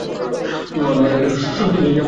আমি মারা গেলে সেই সম্ভাবনা অনেক বেশি থাকে।